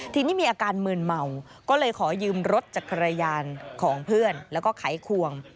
ทีนี้มีอาการมืนเมาก็เลยขอยืมรถจักรยานของเพื่อนแล้วก็ไขควง